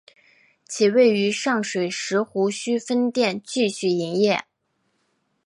其位于上水石湖墟分店继续营业。